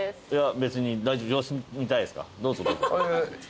別に様子見たいですか？